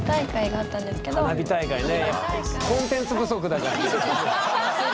花火大会ね。